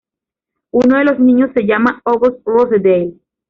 Uno de los niños se llama August Rosedale.